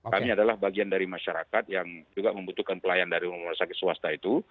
kami adalah bagian dari masyarakat yang juga membutuhkan pelayan dari rumah sakit swasta itu